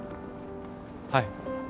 はい。